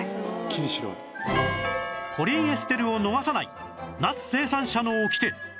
コリンエステルを逃さないナス生産者のオキテ